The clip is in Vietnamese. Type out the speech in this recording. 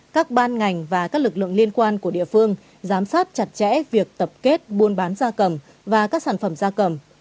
các ban ngành và các lực lượng liên quan của địa phương giám sát chặt chẽ việc tập kết buôn bán da cầm và các sản phẩm da cầm